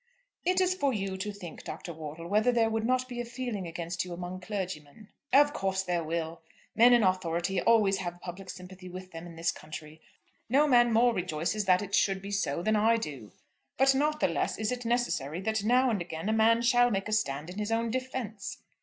"It is for you to think, Dr. Wortle, whether there would not be a feeling against you among clergymen." "Of course there will. Men in authority always have public sympathy with them in this country. No man more rejoices that it should be so than I do. But not the less is it necessary that now and again a man shall make a stand in his own defence.